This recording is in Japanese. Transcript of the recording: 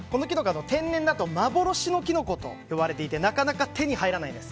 天然だと幻のキノコと呼ばれていてなかなか手に入らないです。